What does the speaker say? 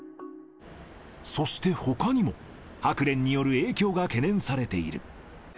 そしてほかにも、ハクレンによる影響が懸念されている。